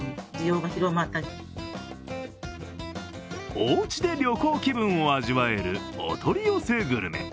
おうちで旅行気分を味わえるお取り寄せグルメ。